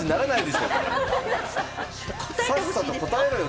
さっさと答えろよ！